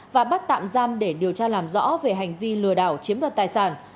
và bắt tạm giam để điều tra làm rõ về hành vi lừa đảo chiếm đoạt tài sản